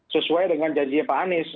sesuai dengan janjinya pak anies